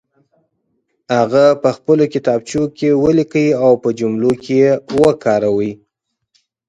هغه په خپلو کتابچو کې ولیکئ او په جملو کې وکاروئ.